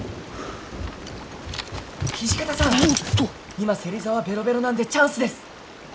今芹沢ベロベロなんでチャンスです！